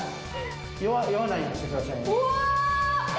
酔わないようにしてくださいね。